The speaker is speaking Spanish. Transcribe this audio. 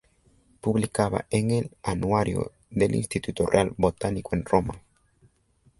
Publicaba en el "Anuario del Instituto Real Botánico en Roma".